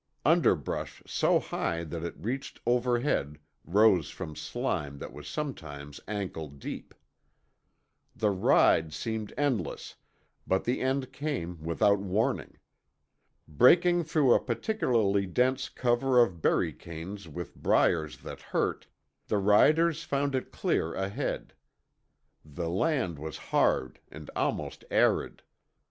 Underbrush so high that it reached overhead rose from slime that was sometimes ankle deep. The ride seemed endless, but the end came without warning. Breaking through a particularly dense cover of berry canes with briars that hurt, the riders found it clear ahead. The land was hard and almost arid.